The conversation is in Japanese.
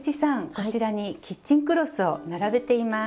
こちらにキッチンクロスを並べています。